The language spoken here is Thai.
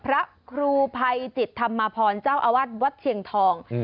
พระครูภัยจิตธรรมพรเจ้าอาวาสวัดเชียงทอง